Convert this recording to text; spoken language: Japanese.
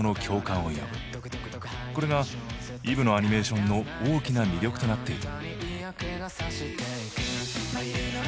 これがＥｖｅのアニメーションの大きな魅力となっている。